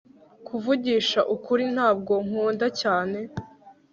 Kuvugisha ukuri ntabwo nkunda cyane